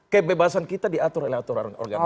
kebebasan kita diatur oleh aturan organisasi